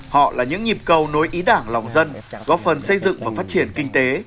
họ là những nhịp cầu nối ý đảng lòng dân góp phần xây dựng và phát triển kinh tế